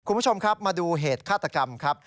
คุณผู้ชมครับมาดูเหตุฆาตกรรมครับ